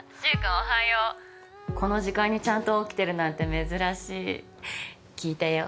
おはようこの時間にちゃんと起きてるなんて珍しい聞いたよ